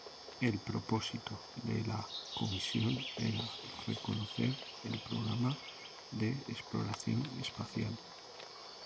El propósito de la comisión era reconocer el programa de exploración espacial.